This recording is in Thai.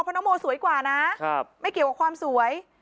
เพราะน้องโมสวยกว่านะไม่เกี่ยวกับความสวย